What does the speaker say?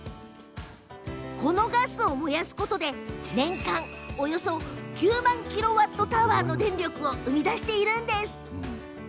このガスを燃やすことで年間およそ９万キロワットアワーの電力を生み出しています。